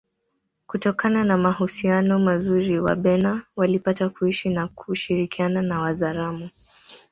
Kutokana na mahusiano mazuri Wabena walipata kuishi na kushirikiana na Wazaramo